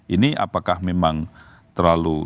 ini apakah memang terlalu